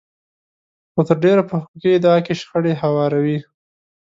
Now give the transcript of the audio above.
خو تر ډېره په حقوقي ادعا کې شخړې هواروي.